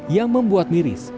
yang membuat miris